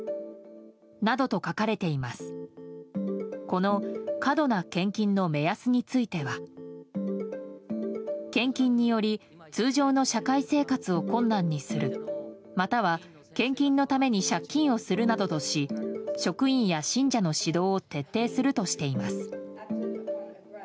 この過度な献金の目安については献金により通常の社会生活を困難にするまたは、献金のために借金をするなどとし職員や信者の指導を徹底するとしています。